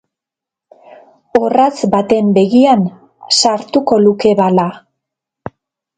Orratz baten begian sartuko luke bala.